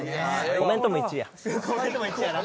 コメントも１位やな。